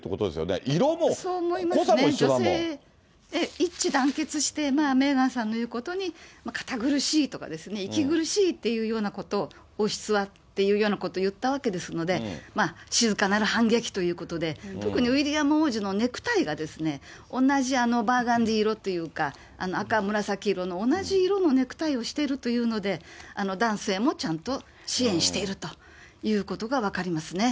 一致団結して、メーガンさんの言うことに、堅苦しいとかですね、息苦しいというようなこと、王室はっていうようなことを言ったわけですので、静かなる反撃ということで、特にウィリアム王子のネクタイがですね、同じバーガンディ色っていうか、赤紫色の同じ色のネクタイをしてるというので、男性もちゃんと支援しているということが分かりますね。